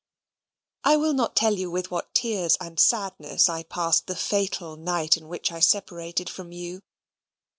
I will not tell you in what tears and sadness I passed the fatal night in which I separated from you.